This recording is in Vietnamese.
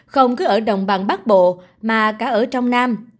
không cứ ở đồng bằng bắc bộ mà cả ở trong nam